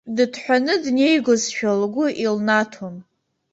Дыҭҳәаны днеигозшәа лгәы илнаҭон.